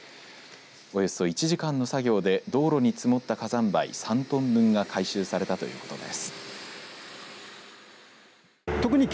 およそ１時間の作業で道路に積もった火山灰３トン分が回収されたということです。